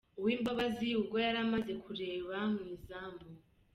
Uwimababazi ubwo yari amaze kureba mu izamu.